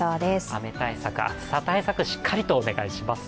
雨対策、暑さ対策、しっかりとお願いします。